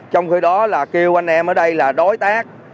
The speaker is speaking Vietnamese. trong khi đó là kêu anh em ở đây là đối tác